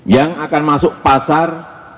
yang akan masuk pasar